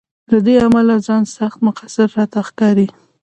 له دې امله ځان سخت مقصر راته ښکاري.